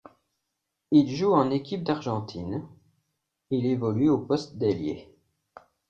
Il joue en équipe d'Argentine, il évolue au poste d'ailier.